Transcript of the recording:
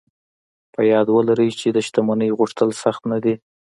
په یاد و لرئ چې د شتمنۍ غوښتل سخت نه دي